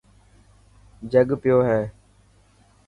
جڳ پيو هي.